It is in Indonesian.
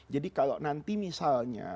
jadi kalau nanti misalnya